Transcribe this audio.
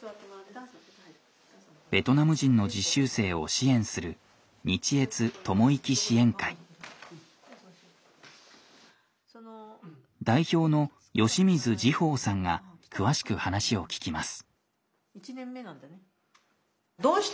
ベトナム人の実習生を支援する代表の吉水慈豊さんが詳しく話を聞きます。